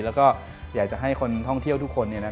แล้วก็อยากจะให้คนท่องเที่ยวทุกคน